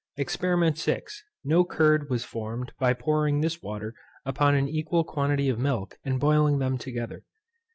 EXPERIMENT VI. No curd was formed by pouring this water upon an equal quantity of milk, and boiling them together.